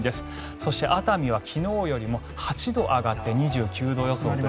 そして、熱海は昨日よりも８度上がって２９度予想。